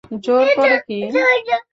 জোর করে কী?